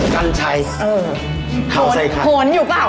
กันใช้เออโผนโผนอยู่เปล่า